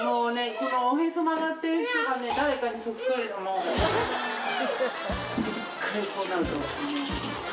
このおへそ曲がっている人が誰かにそっくりなの。